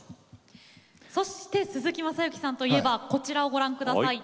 そして鈴木雅之さんといえばこちらをご覧下さい。